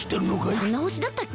そんなほしだったっけ？